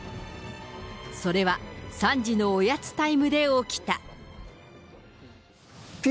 それは３時のおやつタイムで起きた。